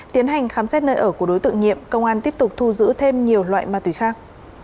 tiến hành khám xét nơi ở của đối tượng nhiệm công an tiếp tục thu giữ thêm nhiều loại ma túy khác